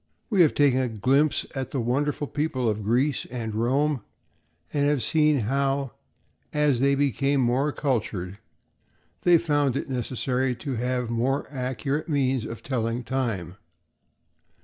We have taken a glimpse at the wonderful people of Greece and Rome, and have seen how, as they became more cultured, they found it necessary to have more accurate means of telling time.